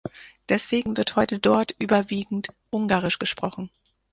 Deswegen wird heute dort überwiegend ungarisch gesprochen.